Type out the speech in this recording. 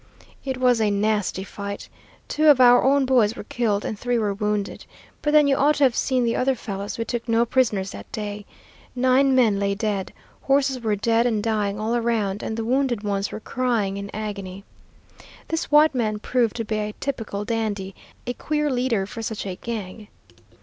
"It was a nasty fight. Two of our own boys were killed and three were wounded. But then you ought to have seen the other fellows; we took no prisoners that day. Nine men lay dead. Horses were dead and dying all around, and the wounded ones were crying in agony. "This white man proved to be a typical dandy, a queer leader for such a gang.